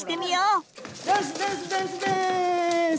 ダンスダンスダンスダンス！